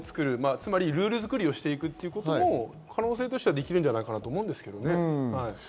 つまりルール作りをしていくことも可能性としてはできるんじゃないかなと思いますけどね。